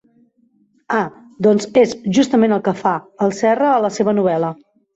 Ah, doncs és justament el que fa el Serra a la seva novel·la.